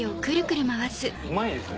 うまいですね。